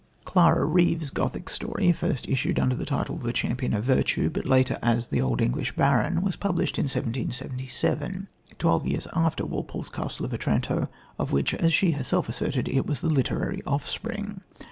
Clara Reeve's Gothic story, first issued under the title of The Champion of Virtue, but later as The Old English Baron, was published in 1777 twelve years after Walpole's Castle of Otranto, of which, as she herself asserted, it was the "literary offspring."